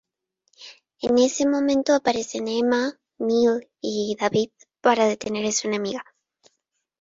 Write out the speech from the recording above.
En ese momento aparecen Emma, Neal y David para detener a su enemiga.